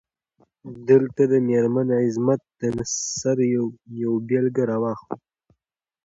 دلته د میرمن عظمت د نثر یوه بیلګه را اخلو.